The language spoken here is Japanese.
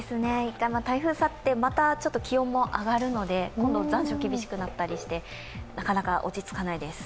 台風が去って、また気温も上がるので残暑が厳しくなったりしてなかなか落ち着かないです。